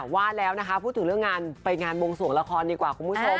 ว่าแล้วนะคะพูดถึงเรื่องงานไปงานวงสวงละครดีกว่าคุณผู้ชม